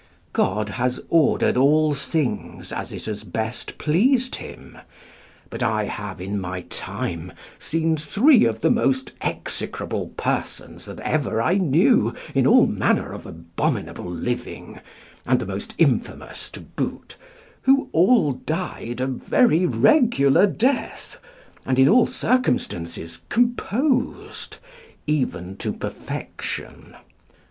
God has ordered all things as it has best pleased Him; but I have, in my time, seen three of the most execrable persons that ever I knew in all manner of abominable living, and the most infamous to boot, who all died a very regular death, and in all circumstances composed, even to perfection.